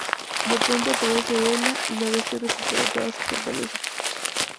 De pronto aparece Bella y la Bestia recupera toda su fortaleza.